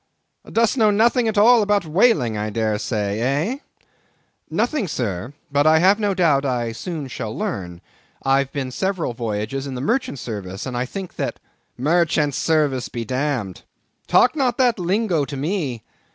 "Dost know nothing at all about whaling, I dare say—eh? "Nothing, Sir; but I have no doubt I shall soon learn. I've been several voyages in the merchant service, and I think that—" "Merchant service be damned. Talk not that lingo to me.